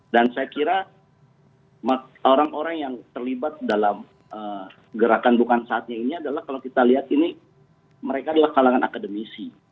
dan saya kira orang orang yang terlibat dalam gerakan bukan saatnya ini adalah kalau kita lihat ini mereka adalah kalangan akademisi